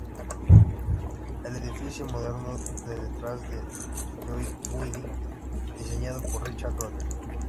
El edificio moderno de detrás, el Lloyd's Building, diseñado por Richard Rogers.